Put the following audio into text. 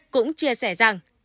cũng chia sẻ rằng